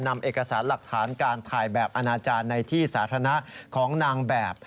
นำเอกสารหลักฐานการถ่ายแบบอนาจารย์ในที่สาธารณะของนางแบบ